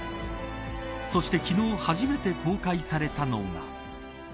そして昨日初めて公開されたのが。